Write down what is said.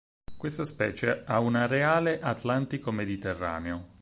Questa specie ha un areale atlantico-mediterraneo.